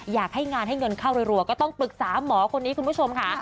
อยากให้งานให้เงินเข้ารัวก็ต้องปรึกษาหมอคนนี้คุณผู้ชมค่ะ